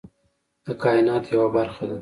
د کایناتو یوه برخه ده.